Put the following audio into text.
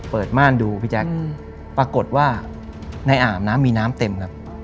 ม่านดูพี่แจ๊คปรากฏว่าในอ่างน้ำมีน้ำเต็มครับ